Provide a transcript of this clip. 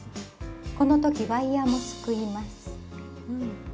この時ワイヤーもすくいます。